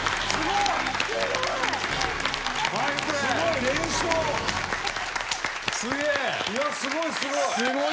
いやすごいすごい！